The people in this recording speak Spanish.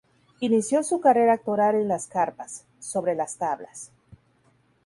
Inició su carrera actoral en las carpas, sobre las tablas.